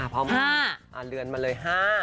พร้อมเรือนมาเลย๕